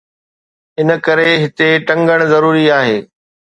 ان ڪري هتي ٽنگڻ ضروري آهي